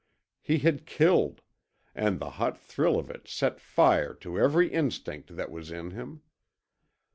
He had KILLED, and the hot thrill of it set fire to every instinct that was in him.